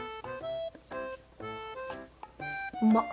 うまっ！